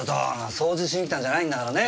掃除しに来たんじゃないんだからね。